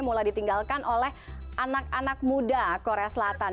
mulai ditinggalkan oleh anak anak muda korea selatan